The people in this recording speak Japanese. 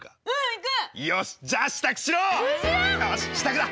よし支度だ！